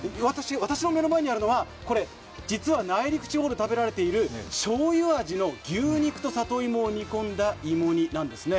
私の目の前にあるのはこれ実は内陸地方で食べられているしょうゆ味の牛肉と里芋を煮込んだ芋煮なんです。